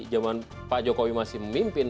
zaman pak jokowi masih memimpin